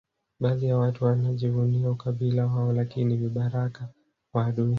Baadhi ya watu wanajivunia ukabila wao lakini ni vibaraka wa adui